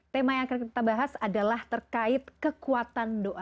tema yang akan kita bahas adalah terkait kekuatan doa